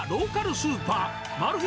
スーパーマル秘